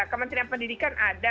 kementerian pendidikan ada